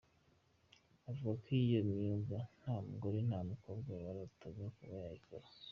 Avuga ko iyo myuga nta mugore, nta mukobwa warotaga kuba yayikora.